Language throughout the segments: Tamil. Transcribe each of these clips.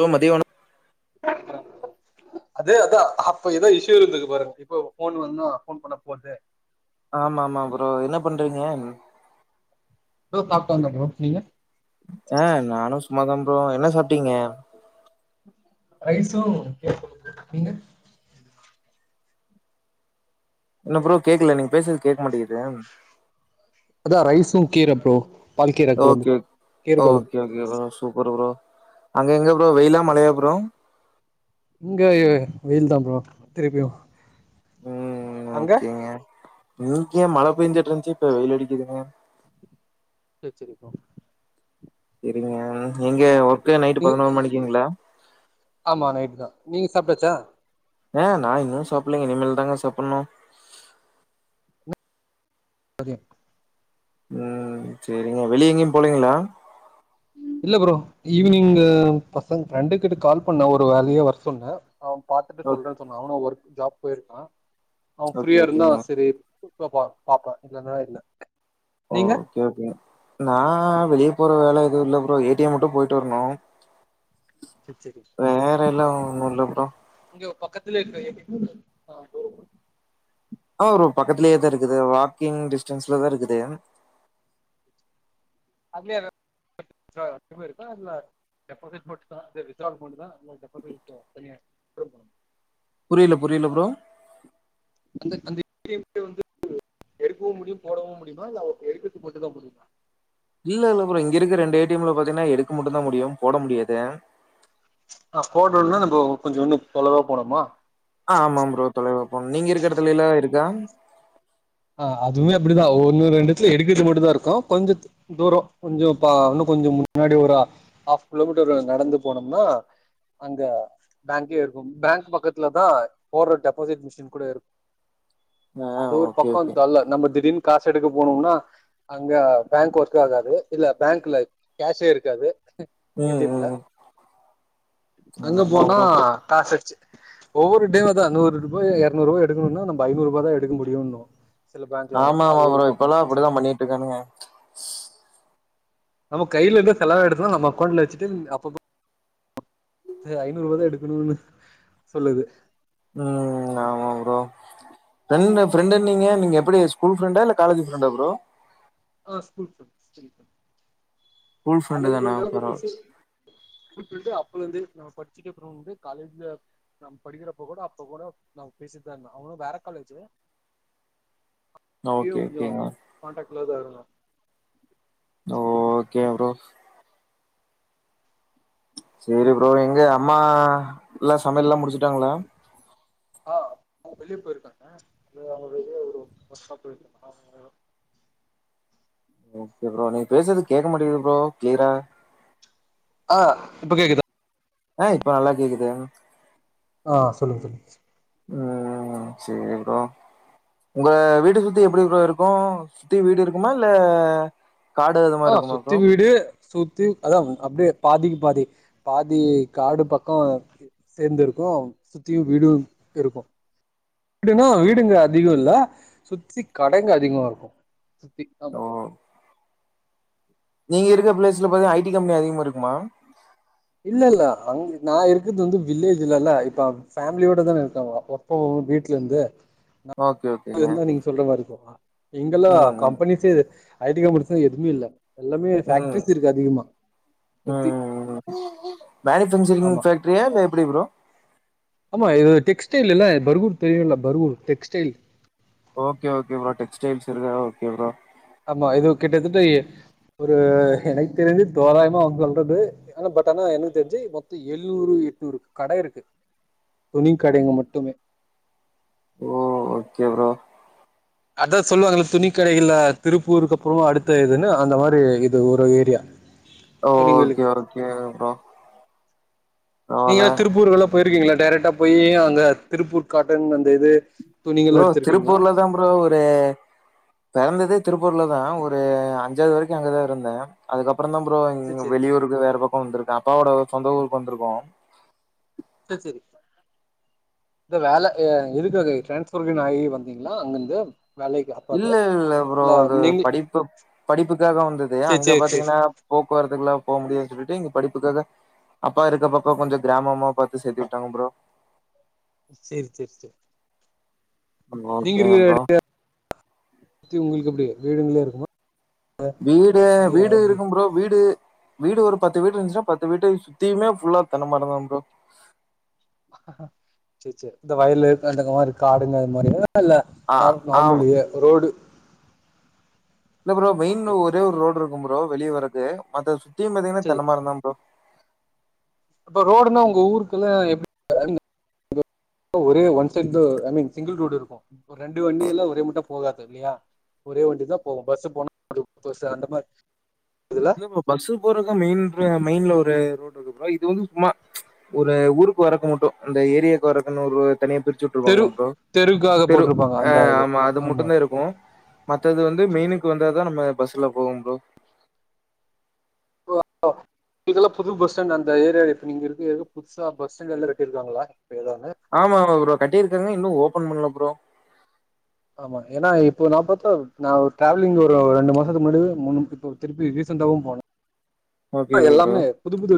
ஓ மதியவன அதே அதா அப்ப ஏதாவ இஷயூ இருந்துக்கு பருன் இப்போ போன் வந்தா போன் பண்ண போது ஆமா ஆமா ப்ரோ என்ன பண்றீங்க ப்ரோ சாப்ட்டு வந்த ப்ரோ நிங்க ஆ நானு சும்மா தா ப்ரோ என்ன சாப்ட்டீங்க [inaudible] ரைஸு கே நீங்க என்ன ப்ரோ கேக்கல நீங்க பேசுறது கேக்க மாட்டிங்குது அதா ரைஸு கீரை ப்ரோ பால்கீர கொழம்பு ஒகே கீர கொழம்பு ஒகே ப்ரோ சூப்பர் ப்ரோ அங்க எங்க அப்புற வெயிலா மழையா ப்ரோ இங்கஐ வெயில் தா ப்ரோ திருப்பியு ம் அங்க ஓகேங்க நீக்க ஏ மழ பெஞ்சுட்ருஞ்ச்சு இப்ப வெயில் அடிக்குதுங்க ச சரிப்பா சரிங்க எங்க ஒர்க் கே நைட்டு பதினோரு நீங்க மணிக்குங்கள ஆமா நைட் தா நீங்க சாப்ட்டாச்சா ஆ நா இன்னு சாப்பலங்க இனிமே தாங்க சாப்பணு சதும் ம் சரிங்க வெளிய எங்கேயு போலீங்களா இல்ல ப்ரோ ஈவினிங்கு பசங்க ப்ரெண்டு கிட்ட கால் பண்ண ஒரு வேலயா வர சொன்னே அவ பாத்துட்டு ஓ சொல்றே சொன்னா அவன ஒரு ஜாப் போயிருக்கா அவன் ஓகே ஃப்ரீயா இருந்தா ஓகேங்க சரி பாப்பா பாப்ப இல்லன்னா இல்ல நீங்க ஓகே ஓகே நா வெளிய போற வேல துவும் இல்ல ப்ரோ ஏ டி எம் மட்டும் போயிட்டு வரணும் சேரி சேரி வேற எல்லா ஒன்னும் இல்ல ப்ரோ பக்கத்துலே [unintelligible] ஆமா ப்ரோ பக்கத்துலே தா இருக்குது வாக்கிங் டிஸ்டன்ஸ்லதா இருக்குது [unintelligible] புரில புரில ப்ரோ அந்த அந்த [unintelligible] வந்து எடுக்கவும் முடியும் போடவும் முடியுமா இல்ல ஆ ஓ எடுக்கது மட்டு தா முடியுமா இல்ல இல்ல ப்ரோ இங்க இருக்கு ரெண்டு ஏ டி எம்ல பாத்தீங்கன்னா எடுக்க மட்டு தா முடியும் போட முடியாது ஆ போட்றதுன்னா நம்போ கொஞ்சோ இன்னும் தொலவா போனுமா ஆ ஆமா ப்ரோ தொலைவா போணும் நீங்க இருக்க இடத்துலல்லா இருக் தாங் ஆ அதுமே இப்புடிதா ஒன்னு ரெண்டு த்துல எடுக்கத்து மட்டு தா இருக்கும் கொஞ்ச த் தூரோ கொஞ்சோ பா இன்னும் கொஞ்சம் முன்னாடி ஒரு ஆ ஆஃப் கிலோமீட்டரு நடந்து போனோம்னா அங்க பேங்கே இருக்கும் பேங்க் பக்கத்துல தா போட்ற டெபாசிட் மிஷின் கூட இருக் ஆ ஓ பக்கோ தல்ல நம்ம திடீர்னு கா சே எடுக்க போனோம்னா அங்க பேங்க் ஒர்க் ஆகாது இல்ல பேங்க்ல கேஷே இருக்காது ஏ டி ம் எம்ல ம் அங்க ஆமா போனா ப்ரோ காசச்சு ஒவ்வொரு டே வ தா நூறு ரூாயா எரநூறு எடுக்கணும்னா நம்ப ஐநூறு ரூபா தா எடுக்க முடியுன்னு ஆமா ஆமா ப்ரோ இப்பல்லா பிரச்சன அப்புடித்தா பண்ணிட்ருக்கானுங்க நம்ம கையில இருந்தா செலவாயிடுந்தா நம்ம அக்கவுண்ட்ல வெச்சுட்டு அப்பப்போ த ஐநூறு ரூபா தா எடுக்கணுன்னு சொல்லுது ம் ஆமா ப்ரோ ஃப்ரெண்டு ஃப்ரெண்டுனீங்க நீங்க எப்புடி ஸ்கூல் ஃப்ரெண்டா இல்ல காலேஜ் ஃப்ரெண்டா ப்ரோ ஆ ஸ்கூல் [unintelligible] ஸ்கூல் ஃப்ரெண்டு காலேஜ் தானா ஃப்ரெண்டேல்லா இப்போ பரவா பிசி [unintelligible] ஸ்கூல்லந்து நம்ம படிச்சுட்டு அப்புறம் வந்து காலேஜ்ல நம் படிக்கிறப்ப கூட அப்ப கூட நாங் பேசிட்டு தா இருந்தோ அவனும் வேற காலேஜி ஓகே ஓகேங்க க்ளோஸ் ஆறோ ஓகே ப்ரோ செரி ப்ரோ எங்க அம்மா எல்லா ஸ் சமையல்லா ஆ முடிச்சிட்டாங்களா ஆ அவங்க வெளிய போயிருக்காங்க [unintelligible] வெளிய ஒரு [unintelligible] ஓகே ப்ரோ நீங்க பேசுறது கேக்க மாட்டிங்குது ப்ரோ க்ளியரா ஆ இப்போ கேக்குதா ஆ இப்ப நல்லா கேக்குது ஆ சொல்லுங்க சொல்லுங்க சொ ம் செரி ப்ரோ உங்க வீடு சுத்தி எப்புடி ப்ரோ இருக்கூ சுத்தி வீடு இருக்குமா இல்ல காடு அது மாரி ஆ இருக்குமா சுத்தி ப்ரோ வீடு சுத்தி அதா ம் அப்டியே பாதிக்கு பாதி பாதி காடு பக்கோ [inaudible] சேர்ந்து இருக்கூ சுத்தியும் வீடும் இருக்கும் வீடுனா வீடுங்க அதிகோ இல்ல சுத்தி கடைங்க அதிகமா இருக்கும் த்தி ஆமா ஓ நீங்க இருக்குற ப்ளேஸ்ல பாத்தனா ஐடி கம்பெனி அதிகமாருக்குமா இல்ல இல்ல அங்க நா இருக்குது வந்து வில்லேஜ் இல்லல இப்ப ஃபேமிலியோட தான இருக்க அப்பப்போ வீட்லருந்து ஓகே [unintelligible] ஓகேங்க இருந்தா நீங்க சொல்ற மாரி [unintelligible] இங்கெல்லா ம் ம் கம்பெனிசே ஐ டி கம்பனிசே எதுமே இல்ல எல்லாமே ம் ஃபக்ட்ரிஸ் ருக்கு அதிகமா சுத்தி மேனி ஃபங்க்சரிங் ஆமா ஃபேக்டரியா இல்ல எப்டி ப்ரோ ஆமா இது டெக்ஸ்டைல் இல்ல பர்கூர் தெரியல Bargur textile okay okay bro textiles இருக் ஓகே ப்ரோ ஆமா இதுவு கிட்டத்தட்ட அ ஒரு எனக்கு தெரிஞ்சு தோராயமா அவ சொல்றது ஆனா பட் ஆனா எனக்கு தெரிஞ்சு மொத்தோ எழுநூறு எட்நூறு கட இருக்கு துணி கடைங்க மட்டுமே ஓ ஓகே ப்ரோ அதா சொல்லுவாங்கள துணி கடைகள் ல திருப்பூருக்கு அப்றோ அடுத்த இதுன்னு அந்த மாரி இது ஒரு ஏரியா ஓகே துணிங்களுக்கு ஓகே ப்ரோ பரவால்ல நீங்கலா திருப்பூர்குலா போயிருக்கீங்ளா டேரெக்டா போயி அங்க திருப்பூர் காட்டன் அந்த இது துணிகள் ப்ரோ எடுத்திருக்கீங்களா திருப்பூர் ல தா ப்ரோ பெ பெறந்ததே திருப்பூர்ல தா ஒரு அஞ்சாவது வரைக்கு அங்கதா இருந்த அதுக்கப் அப்றந்தா ப்ரோ இங் சேரி சேரி வெளியூருக்கு வேற பக்கோ வந்துருக்கு அப்பாவோட சொந்த ஊருக்கு வந்துருக்கோ செர் செரி இந்த வேல ஏ எதுக்க டிரான்ஸ்ஃபர் ஆயி வந்திங்களா அங்கருந்து இல்ல இல்ல ப்ரோ அது நீங்க படிப்பு படிப்புக்காக வந்தது சேரி அங்க சேரி சேரி பாத்தீங்னா போக்குவரத்துக்குலா போ முடிலன் சொல்லிட்டு இங்க படிப்பு க்காக அப்பா இருக்க பக்கோ கொஞ்சோ கிராமமா பாத்து சேத்து விட்டாங்க ப்ரோ செரி செரி செரி ஓகே ப்ரோ [unintelligible] உங்களுக்கு எப்டி வீடுங்களே இருக்குமா வீடு வீடு எப்படி இருக்கு ப்ரோ வீடு வீடு ஒரு பத்து வீடு இருந்துச்சுன்னா பத்து வீட்டு சுத்தியுமே ஃபுல்லா தென்ன மரந்தா ப்ரோ செரி செரி இந்த வயலு அந்த மாரி காடுங்க அது மாரி [unintelligible] இல்ல ஆ நார் ஆ நார்மல் ஏரியா ரோடு இல்ல ப்ரோ மெயின்ல ஓகே ஒரே ஒரு ரோடு இரு க்கு ப்ரோ வெளிய வரது மத்த சுத்தி [unintelligible] தியு பாத்திங்னா சேரி தென்ன மரந்தா ப்ரோ இப்ப ரோடுனா உங்க ஊருக்குலா எப்டி [inaudible] ஒரே one side two I mean single road இருக்கு ரெண்டு வண்டி எல்லா ஒரே மூட்டா போகாது இல்லியா ஒரே வண்டி தா போகு பஸ் போனா [inaudible] பசு அந்த மாரி இல்ல இப்ப பஸ்ல போறக்க மெயின் மெயின்ல ஒரு ரோடு துப்பா இது வந்து சும்மா ஒரு ஊருக்கு வரக்க மட்டு அந்த ஏரியாக்கு வரக்குன்னு ஒரு தனிய பிரிச்சு தெரு விட்ருவாங்கள ப்ரோ தெருக்காக பெரு போட்டிருப்பாங்க ஆ அந்த இது ஆமா அது முட்டு தா இருக்கு மத்தது வந்து மெயினுக்கு வந்தா தா நம்ம பஸ்ல போகும் புரோ இங்கெலா புது பஸ்ஸ்டாண்டு அந்த ஏரிய இப்பங்க இரு புதுசா பஸ் ஸ்டாண்ட் எல்லா கட்டிருக்காங்களா இப்ப ஏதானு ஆமாங்க ப்ரோ கட்டிரு எதுவுமே இன்னும் ஓபன் பண்ணல ப்ரோ ஆ ஏன்னா இப்போ நான் பார்த்தா நான் ஒரு டிராவலிங் ஒரு ரெண்டு மாசத்து முன்னாடி மூணுமாச இப்ப திருப்பி ரீசன்டாகவும் ஓகே போனேன் ஓகே ப்ரோ எல்லாமே புது புது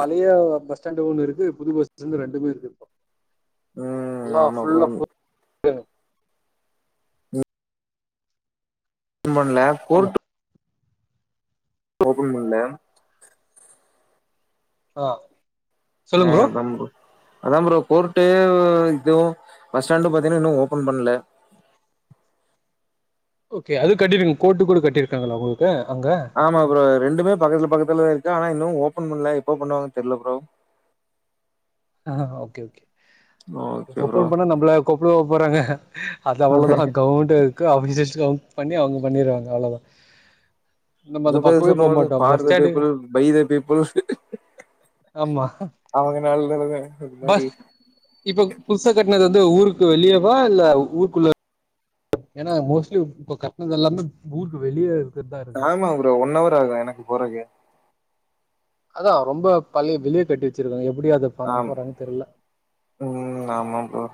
பழைய பஸ் பஸ்ஸ்டாண்டு ஒன்னு இருக்கு புது பஸ்ஸ்டாண்டு ரெண்டுமே இருக்கு ம் எல்லா ஆமா ப்ரோ ஃபுல்லா [unintelligible] பண்ணல ஆமா போர்ட் ஓபன் பண்ல ஆ ஆ சொல்லுங்க ப்ரோ நம்பு அதான் ப்ரோ கோர்ட்டே இது பஸ் ஸ்டாண்டு பாத்தீங்கன்னா இன்னு ஓபன் பண்ணல ஓகே அது கட்டிருக்காங்க கோர்ட்டு கூட கட்டிருக்காங்களா உங்களுக்கு அங்க ஆமா புரோ ரெண்டுமே பக்கத்துல பக்கத்துலதா இருக்கு ஆனா இன்னு ஓபன் பண்ல எப்போ பண்ணுவாங்கன்னு தெர்ல புரோ ஆ okay okay okay bro open பண்ணா நம்மள கூப்டவா போறாங்க அது அவ்ளோதா கவர்மெண்ட் இருக்கு ஆஃபீஸர்ஸ பண்ணி அவங்க பண்ணிருவாங்க அவ்ளோதா நல்லது சொன்ன போது for the people by the people அவ்ங்க நல்ல ப இப்போ புதுசா கட்ன து ஊருக்கு வெளியவா இல்ல ஊருக்குள்ள ஏன்னா மோஸ்ட்லி இப்ப கட்னதெல்லாமே ஊருக்கு வெளிய ஆமா ப்ரோ ஒன் அவர் ஆகு எனக்கு போறக்கு அதா ரொம்ப பழிய வெளிய கட்டி வச்சிருக்காங்க முடியாது என்ன ஆம் போறாங்கன் தெர்ல ம் ஆமா ப்ரோ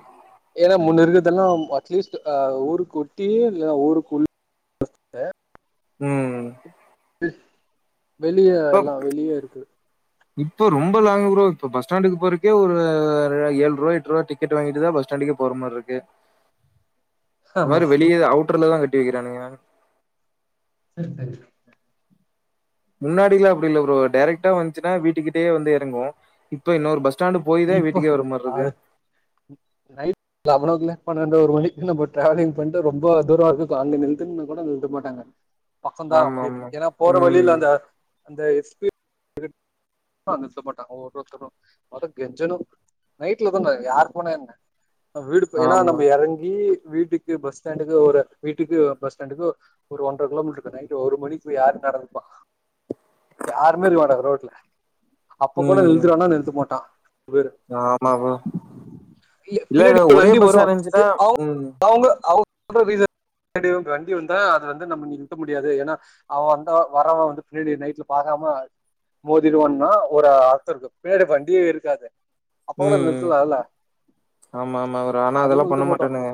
ஏனா முன்னு இருக்கதெல்லாம் அட்லீஸ்ட் ஆ ஊருக்கொட்டியே இல்ல ஊருக்குள் [inaudible] ம் வெளிய இப்ப எல்லா வெளிய இருக்கு இப்போ ரொம்ப லாங் ப்ரோ இப்போ பஸ் ஸ்டாண்டுக்கு போறக்கே ஒரு ஏழ்ருவா எட்ருவா டிக்கெட்டு வாங்கிட்டுதா பஸ் ஸ்டாண்டுக்கே போற மார் இருக்கு இந்த ஆமா மாரி வெளிய அவு ட்ரல்லதா கட்டி வெக்கிறானுங்க செர் செரி முன்னாடில்லா இப்டி இல்ல ப்ரோ டேரெக்டெடா வந்ச்சுன்னா வீட்டுக்கிட்டயே வந்து எறங்குவோ இப்ப இன்னொரு பஸ் ஸ்டாண்டு போய் தான் இப்போ வீட்டுக்கே வர மாரி இருக்கு. அது நைட் [unintelligible] லவனோ கிளாக் பன்னண்டு ஒரு மணிக்கி நம்ம டிராவலி்ங் பண்ணிட்டு ரொம்ப தூரோ இருக்கு அங்க நிறுத்துன்னா கூட நிறுத்த மாட்டாங்க பக்கம்தா அப்டின்னு ஆமாமா. ஏன்னா போற வழியில ம். அந்த அந்த [unintelligible] நிறுத்த மாட்டாங்க ஒவ்வெருத்தரும் கெஞ்சனு நைட்ல தான யார் போனா என்ன வீடு [inaudible] ஏனா ஆமா. நம்ம இறங்கி வீட்டுக்கு பஸ் ஸ்டாண்டுக்கு ஒரு வீட்டுக்கு பஸ் ஸ்டாண்டுக்கு ஒரு ஒன்ற கிலோமீட்டருக்கு நைட் ஒரு மணிக்கு போய் யாரு நடந்துப்பா யாருமே இருக்க மாட்டாங்க ரோட்ல அப்ப கூட ம். நிறுத்துறானா நிறுத்த மாட்டான் ஆமா ப்ரோ. [inaudible] இல்ல பின்னாடி இல்ல ஒரே வண்டி வரு பஸ்ஸா இருந்துச்சுன்னா அவங்க ம். அவங்க அவங்க [inaudible] வண்டி வந்தா அது வந்து நம்ம நிறுத்த முடியாது ஏனா அவன் வந்த வரவன் வந்து பின்னாடி நைட்ல பாக்காம மோதிடுவன்னா ஒரு அர்த்தம் இருக்கு பின்னாடி வண்டியே இருக்காது அப்ப கூட ம் ம் நிறுத்தலால்ல ஆமா ஆமா ஒரு ஆனா அதெல்லா பண்ண மாட்டானுங்க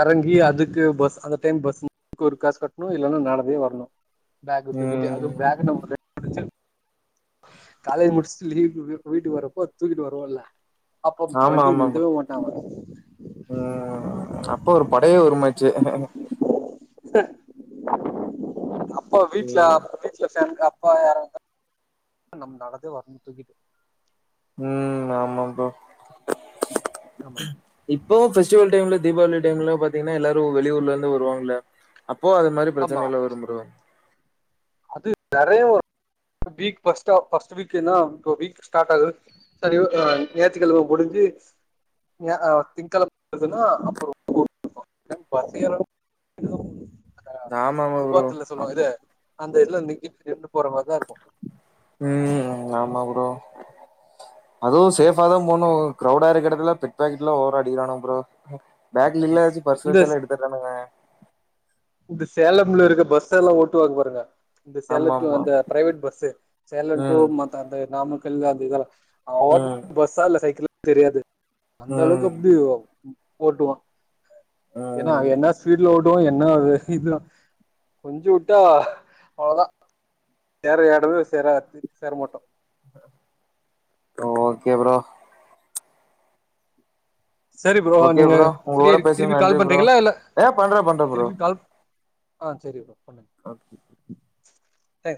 இறங்கி அதுக்கு பஸ் அந்த டைம் பஸ் ஒரு காசு கட்டணு இல்லேன்னா நடந்தே வரணு பேக்க தூக்கிட்டு அதும் ம். பேக் நம்ப [inaudible] காலேஜ் முடிச் லீவுக்கு வீட்டுக்கு வரப்போ தூக்கிட்டு வருவோமல்ல ஆமா ஆமா ம் அப்ப ஒரு படையே வருமாச்சே அப்ப வீட்ல ம். வீட்ல ஃபேன் காத் [unintelligible] நடந்து வரணு தூக்கிட்டு ஆமா இப்போ ஃபெஸ்டிவல் டைம்ல தீபாவளி டைம்ல பாத்தீங்கன்னா எல்லாரு வெளியூர்ல வருவாங்களே அப்ப இப்போ அது மாரி பிரச்சனை ஆமா எல்லாம் வரும் புரோ அது நெறைய [inaudible] வீக் ஃபஸ்ட் ஆப் வீக்ன இப்ப வீக் ஸ்டாட் ஆகுது செரி நேத்திக்கிழம முடிஞ்சி திங்கிழம வருதுன்னா அப்பறோ [unintelligible] [inaudible] ஆமாமா புரோ அந்த [unintelligible] எட்டு போற மாரிதா இருக்கு ம் ஆமா ப்ரோ அதுவு சேஃபா தா போணு க்ரௌடா இருக்கற இடத்துல பிக் பாக்கெட் எல்லா ஓவரா அடிகிறானு ப்ரோ பேக்லெலாகீழ வச்சி பர்ஸ் இந்த வச்சால்லா எடுத்துறானுங்க இந்த சேலம்ல இருக்க பஸ் எல்லா ஓட்டு வாங்க பாருங்க இந்த ஆமா சேலத்துல ஆமா அந்த பிரைவேட் பஸ்சு சேலம் டூ ம் அந்த நாமக்கல் [unintelligible] ம் [unintelligible] பஸ்ஸா இல்ல சைக்கிள் தெரியாது அந்தலவுக்கு ம் அப்டி ஓட்டுவா ஏன்னா ம் என்ன ஸ்பீடுல ஓடுவோ என்னாது இது கொஞ்சோ விட்டா அவ்ளதா சேர இடது சேர அது சேர மாட்டோ ஓகே ப்ரோ செரி ப்ரோ ஓகே நீங்க ப்ரோ ஃப்ரீயா உங்களோட திருப்பி பேசுனது கால் நன்றி ப்ரோ பண்றீங்களா இல்ல ஆ பண்றே பண்றே திருப்பி கால் ஆ செரி ப்ரோ ஆ எ